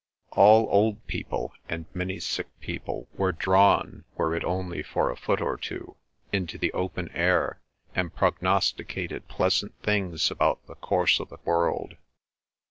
All old people and many sick people were drawn, were it only for a foot or two, into the open air, and prognosticated pleasant things about the course of the world.